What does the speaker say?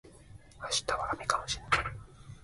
明日は雨かもしれない